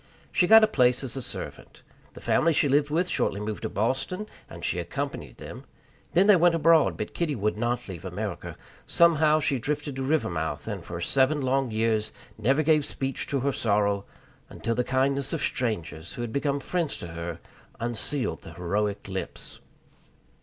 She got a place as a servant. The family she lived with shortly moved to Boston, and she accompanied them; then they went abroad, but Kitty would not leave America. Somehow she drifted to Rivermouth, and for seven long years never gave speech to her sorrow, until the kindness of strangers, who had become friends to her, unsealed the heroic lips.